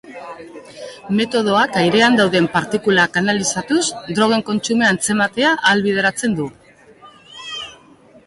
Metodoak airean dauden partikulak analizatuz drogen kontsumoa antzematea ahalbideratzen du.